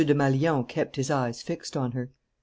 Desmalions kept his eyes fixed on her.